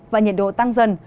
và nhiệt độ tăng dần